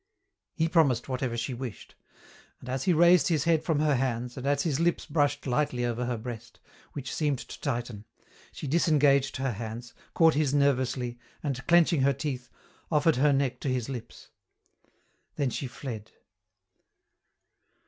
He promised whatever she wished. And as he raised his head from her hands and as his lips brushed lightly over her breast, which seemed to tighten, she disengaged her hands, caught his nervously, and, clenching her teeth, offered her neck to his lips. Then she fled.